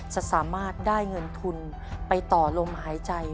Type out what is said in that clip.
จะสามารถได้เงินทุนไปต่อลมหายใจ